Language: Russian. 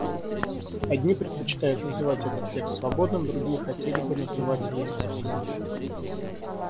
Одни предпочитают называть этот текст сводным, другие хотели бы называть его дискуссионным.